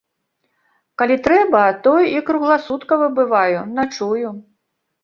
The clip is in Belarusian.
Калі трэба, то і кругласуткава бываю, начую.